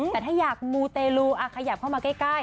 แต่ถ้าอยากมูเตลูขยับเข้ามาใกล้